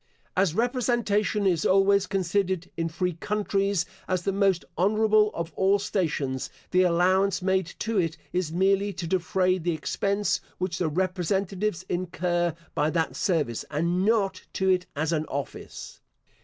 As representation is always considered, in free countries, as the most honourable of all stations, the allowance made to it is merely to defray the expense which the representatives incur by that service, and not to it as an office.